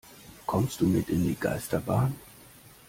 Kommst du mit in die Geisterbahn?